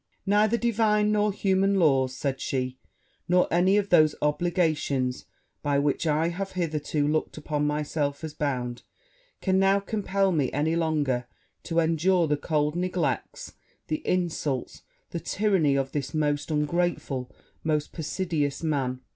'Neither divine nor human laws,' said she, 'nor any of those obligations by which I have hitherto looked upon myself as bound, can now compel me any longer to endure the cold neglects, the insults, the tyranny, of this most ungrateful, most perfidious man!